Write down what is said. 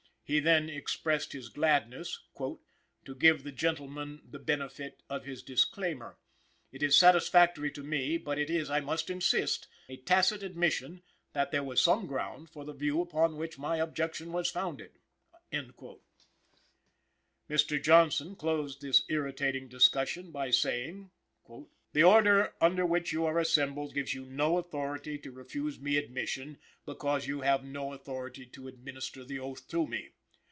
He then expressed his gladness "to give the gentleman the benefit of his disclaimer. It is satisfactory to me, but it is, I must insist, a tacit admission that there was some ground for the view upon which my objection was founded." Mr. Johnson closed this irritating discussion by saying: "The order under which you are assembled gives you no authority to refuse me admission because you have no authority to administer the oath to me.